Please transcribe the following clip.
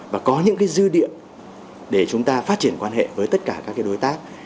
và có những dư địa để chúng ta phát triển quan hệ với tất cả các đối tác